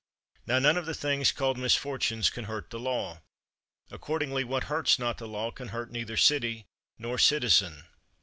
Now, none of the things called misfortunes can hurt the law. Accordingly, what hurts not the law can hurt neither city nor citizen.